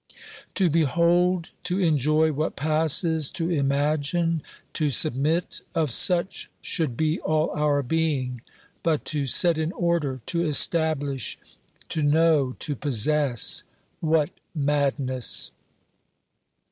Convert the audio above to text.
To behold, to enjoy what passes, to imagine, to submit — of such should be all our being. But to set in order, to establish, to know, to possess — what madness